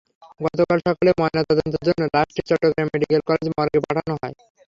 গতকাল সকালে ময়নাতদন্তের জন্য লাশটি চট্টগ্রাম মেডিকেল কলেজের মর্গে পাঠানো হয়।